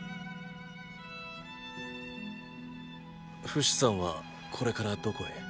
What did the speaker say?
フシさんはこれからどこへ？